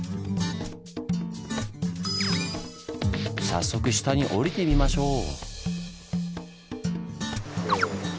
早速下に下りてみましょう！